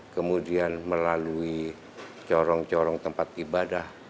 kemudian melalui corong corong tempat ibadah